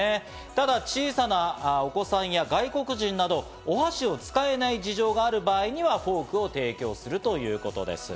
ただ、小さなお子さんや外国人など、お箸を使えない事情がある場合にはフォークを提供するということです。